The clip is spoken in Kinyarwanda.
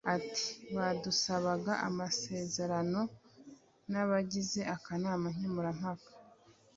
ati” Badusabaga amasezerano n’abagize akanama nkemurampaka